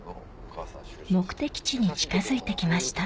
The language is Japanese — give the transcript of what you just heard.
目的地に近づいて来ました